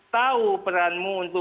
tahu peranmu untuk